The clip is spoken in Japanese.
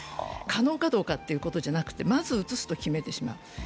可能かどうかということじゃなくて、まず移すと決めてしまう。